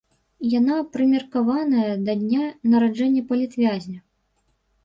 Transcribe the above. Яна прымеркаваная да дня нараджэння палітвязня.